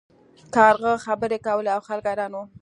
کارغه خبرې کولې او خلک حیران وو.